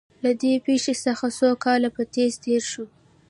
له دې پېښې څخه څو کاله په تېزۍ تېر شول